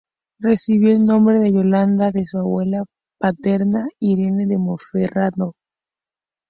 Recibió el nombre de Yolanda de su abuela paterna, Irene de Monferrato.